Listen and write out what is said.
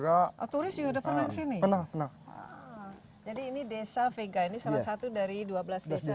gak atau resi udah pernah sini jadi ini desa vega ini salah satu dari dua belas desa yang ada di